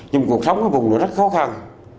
nhưng cuộc sống ở vùng đó rất khó khăn